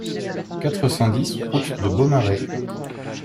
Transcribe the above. quatre cent dix route de Beaumarais